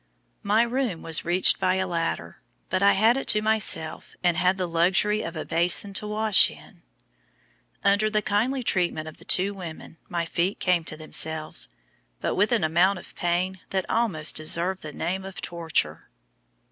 My room was reached by a ladder, but I had it to myself and had the luxury of a basin to wash in. Under the kindly treatment of the two women my feet came to themselves, but with an amount of pain that almost deserved the name of torture.